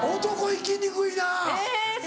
行きにくい。